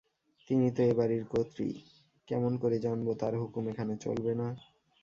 তিনি তো এ বাড়ির কর্ত্রী, কেমন করে জানব তাঁর হুকুম এখানে চলবে না?